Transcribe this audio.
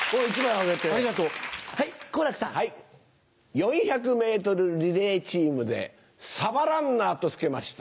４００ｍリレーチームでサバランナーと付けました。